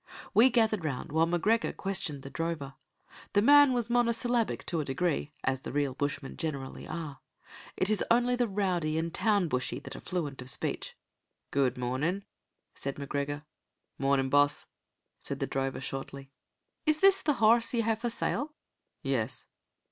We gathered round while M'Gregor questioned the drover. The man was monosyllabic to a degree, as the real bushmen generally are. It is only the rowdy and the town bushy that are fluent of speech. "Guid mornin'," said M'Gregor. "Mornin', boss," said the drover, shortly. "Is this the horrse ye hae for sale?" "Yes."